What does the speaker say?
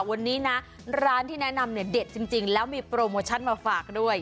วันนี้นะร้านที่แนะนำเนี่ยเด็ดจริงแล้วมีโปรโมชั่นมาฝากด้วย